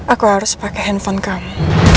aku harus pakai handphone kamu